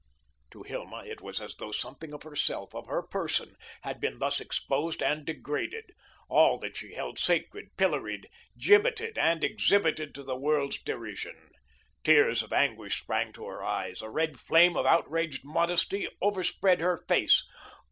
To Hilma it was as though something of herself, of her person, had been thus exposed and degraded; all that she held sacred pilloried, gibbeted, and exhibited to the world's derision. Tears of anguish sprang to her eyes, a red flame of outraged modesty overspread her face.